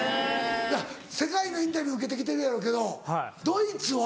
世界のインタビュー受けてきてるやろうけどドイツは？